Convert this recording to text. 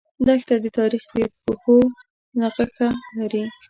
دښته د تاریخ د پښو نخښه لري.